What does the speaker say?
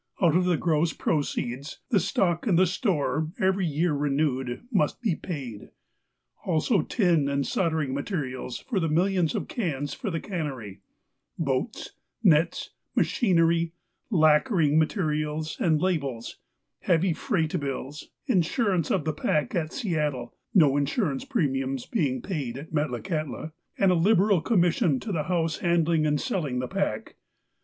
Out of the gross proceeds, the stock in the store, every year renewed, must be paid. Also tin and soldering materials for the millions of cans for the cannery, boats, nets, machinery, lacquering materials, and labels, heavy freight bills, in surance of the pack at Seattle (no insurance premiums being paid at Metlakahtla), and a liberal commission to the house handling and selling the pack.